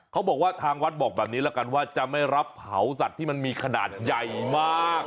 เขาบอกว่าทางวัดบอกแบบนี้แล้วกันว่าจะไม่รับเผาสัตว์ที่มันมีขนาดใหญ่มาก